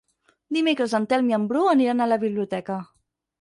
Dimecres en Telm i en Bru aniran a la biblioteca.